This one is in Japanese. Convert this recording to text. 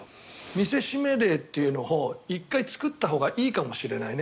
見せしめ例というのを１回作ったほうがいいかもしれないね。